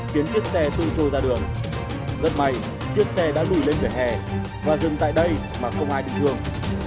khiến chiếc xe từ trôi ra đường rất may chiếc xe đã lùi lên vỉa hè và dừng tại đây mà không ai bị thương